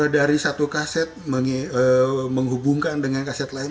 dari satu kaset menghubungkan dengan kaset lain